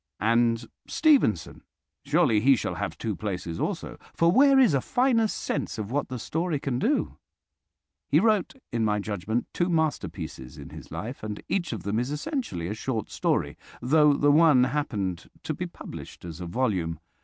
And Stevenson? Surely he shall have two places also, for where is a finer sense of what the short story can do? He wrote, in my judgment, two masterpieces in his life, and each of them is essentially a short story, though the one happened to be published as a volume.